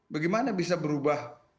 bagaimana bisa berubah